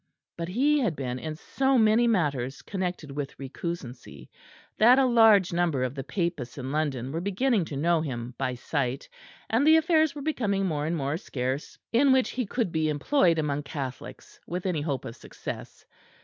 But he had been in so many matters connected with recusancy, that a large number of the papists in London were beginning to know him by sight; and the affairs were becoming more and more scarce in which he could be employed among Catholics with any hope of success.